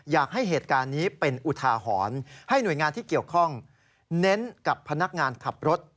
อยากให้เหตุการณ์นี้เป็นอุทาหรณ์ให้หน่วยงานที่เกี่ยวข้องเน้นกับพนักงานขับรถ